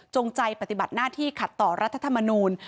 ใจปฏิบัติหน้าที่ขัดต่อรัฐธรรมนูล